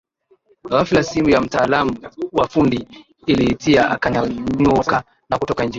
Ghafla simu ya mtaalamu wa ufundi iliita akanyanyuka na kutoka nje